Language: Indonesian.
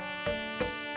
ada apa be